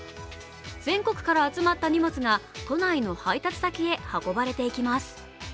全国から集まった荷物が都内の配達先へ運ばれていきます。